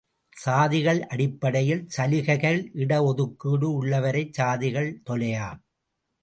சாதிகள் அடிப்படையில் சலுகைகள், இட ஒதுக்கீடு உள்ளவரை சாதிகள் தொலையா.